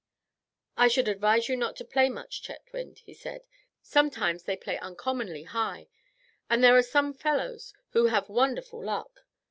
"'I should advise you not to play much, Chetwynd,' he said; 'sometimes they play uncommonly high, and there are some fellows who have wonderful luck.